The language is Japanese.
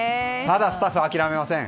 ただ、スタッフは諦めません。